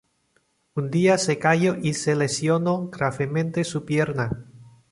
Un día se cayó y se lesionó gravemente su pierna.